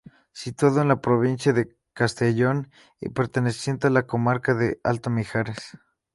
Situado en la provincia de Castellón y perteneciente a la comarca del Alto Mijares.